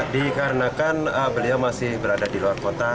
dikarenakan beliau masih berada di luar kota